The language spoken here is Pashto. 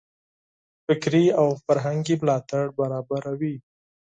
فکري او فرهنګي ملاتړ برابروي.